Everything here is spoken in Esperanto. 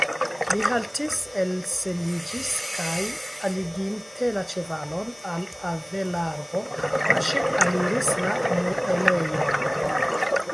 Li haltis, elseliĝis kaj, alliginte la ĉevalon al avelarbo, paŝe aliris la muelejon.